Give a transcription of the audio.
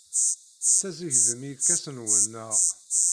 Tessazedgem irkasen-nwen, naɣ?